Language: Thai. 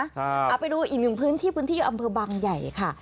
อีกหนึ่งพื้นที่เอาไปดูบิลในบิลที่อเมืองบังไหญ่ค่ะ